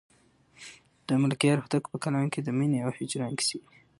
د ملکیار هوتک په کلام کې د مینې او هجران کیسې دي.